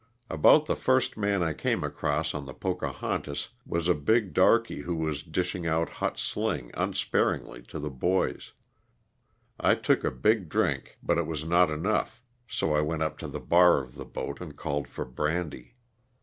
About the first man I came across on the " Pocahon tas" was a big darkey who was dishing out hot sling unsparingly to the boys. I took a big drink but it was not enough, so I went up to the bar of the boat and called for brandy.